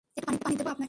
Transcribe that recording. একটু পানি দেব আপনাকে?